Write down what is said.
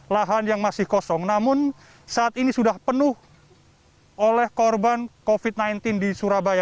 lahan yang masih kosong namun saat ini sudah penuh oleh korban covid sembilan belas di surabaya